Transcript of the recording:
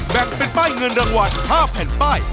แบ่งเป็นป้ายเงินรางวัล๕แผ่นป้าย